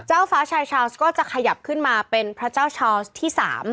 ฟ้าชายชาวส์ก็จะขยับขึ้นมาเป็นพระเจ้าชาวสที่๓